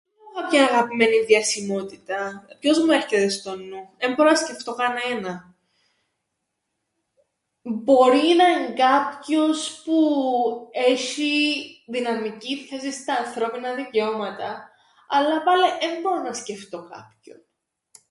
Εν έχω κάποιαν αγαπημένην διασημότηταν. Ποιος μου έρκεται στον νουν; Εν μπόρω να σκεφτώ κανέναν. Μπορεί να εν' κάποιος που έσ̆ει δυναμικήν θέσην στα ανθρώπινα δικαιώματα, αλλά πάλε εν μπορώ να σκεφτώ κάποιον.